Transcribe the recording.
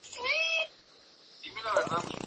Protección contra incendios